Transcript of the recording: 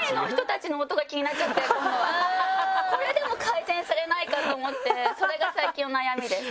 今度はこれでも改善されないかと思ってそれが最近の悩みです。